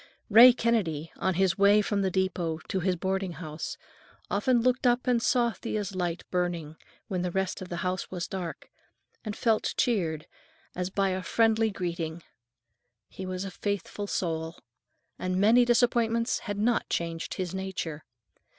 Ray Kennedy, on his way from the depot to his boardinghouse, often looked up and saw Thea's light burning when the rest of the house was dark, and felt cheered as by a friendly greeting. He was a faithful soul, and many disappointments had not changed his nature.